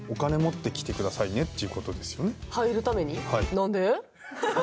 なんで？